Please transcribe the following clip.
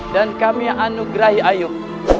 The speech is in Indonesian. dan kami anugerahi ayub